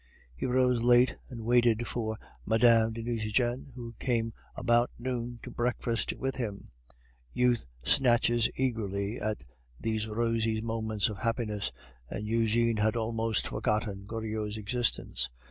He rose late, and waited for Mme. de Nucingen, who came about noon to breakfast with him. Youth snatches eagerly at these rosy moments of happiness, and Eugene had almost forgotten Goriot's existence.